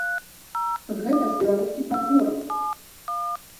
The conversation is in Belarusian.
Гэта ж беларускі падворак!